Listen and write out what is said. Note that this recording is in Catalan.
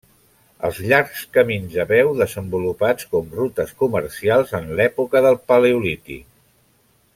Els llargs camins a peu desenvolupats com rutes comercials en l'època del Paleolític.